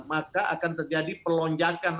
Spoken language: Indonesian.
maka akan terjadi pelonjakan